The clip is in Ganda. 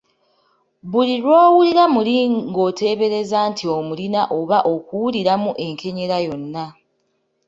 Buli lw’owulira muli ng’oteebereza nti omulina oba okuwuliramu enkenyera yonna.